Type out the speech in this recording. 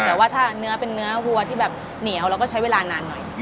แต่ว่าถ้าเนื้อเป็นเนื้อวัวที่แบบเหนียวเราก็ใช้เวลานานหน่อย